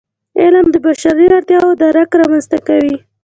علم د بشري اړتیاوو درک رامنځته کوي.